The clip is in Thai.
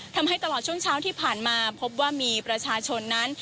ทำให้ตลอดช่วงเช้าที่ผ่านมาพบว่ามีประชาชนนั้น